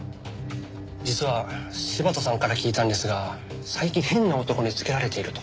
実は柴田さんから聞いたんですが最近変な男につけられていると。